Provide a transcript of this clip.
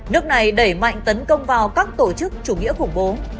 nước này đẩy mạnh tấn công vào các tổ chức chủ nghĩa khủng bố